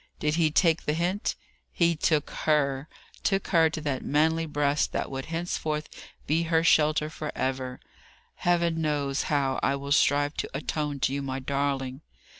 Did he take the hint? He took her; took her to that manly breast that would henceforth be her shelter for ever. "Heaven knows how I will strive to atone to you, my darling."